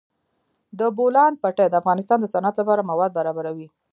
د بولان پټي د افغانستان د صنعت لپاره مواد برابروي.